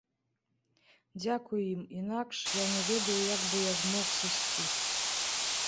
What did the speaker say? Дзякуй ім, інакш я не ведаю, як бы я змог сысці.